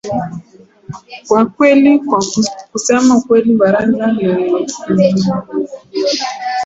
kwa kweli kwa kusema ukweli baraza lililopita